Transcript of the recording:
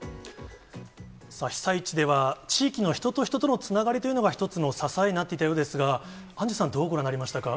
さあ、被災地では、地域の人と人とのつながりというのが、１つの支えになっていたようですが、アンジュさん、どうご覧になりましたか。